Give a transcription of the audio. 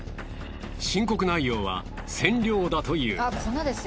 申告内容は染料だという。